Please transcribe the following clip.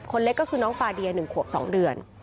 คนเล็กก็คือน้องฟาเดียหนึ่งขวบสองเดือน